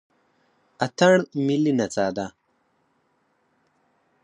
اتن ملي نڅا ده